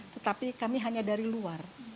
tetapi kami hanya dari luar